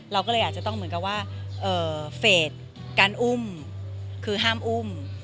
เราก็เลยอาจจะต้องเหมือนกับว่าเฟสการอุ้มคือห้ามอุ้ม